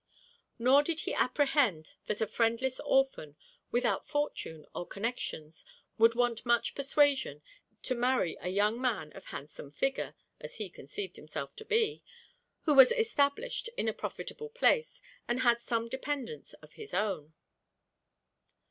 Nor did he apprehend that a friendless orphan, without fortune or connections, would want much persuasion to marry a young man of handsome figure (as he conceived himself to be,) who was established in a profitable place, and had some dependance of his own.